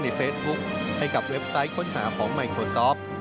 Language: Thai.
เฟซบุ๊คให้กับเว็บไซต์ค้นหาของไมโครซอฟ